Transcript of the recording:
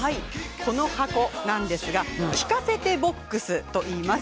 この箱なんですが聞かせてボックスといいます。